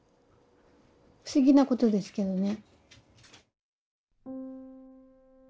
不思議なことですけどね。